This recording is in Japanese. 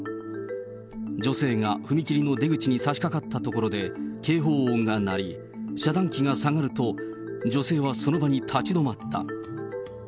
女性が踏切の出口に差しかかった所で警報音が鳴り、遮断機が下がると、女性はその場に立ち止まった。